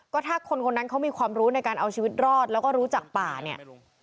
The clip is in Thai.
ก็ถ้าคนคนนั้นเขามีความรู้ในการเอาชีวิตรอดแล้วก็รู้จักป่าเนี่ย